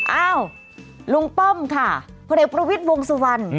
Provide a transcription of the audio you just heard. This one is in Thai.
อ้าวลุงป้อมค่ะพลเอกประวิทย์วงสุวรรณ